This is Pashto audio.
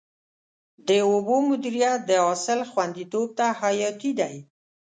د اوبو مدیریت د حاصل خوندیتوب ته حیاتي دی.